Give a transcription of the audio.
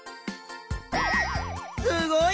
すごい！